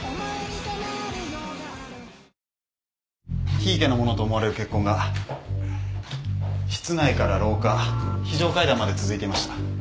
檜池のものと思われる血痕が室内から廊下非常階段まで続いていました。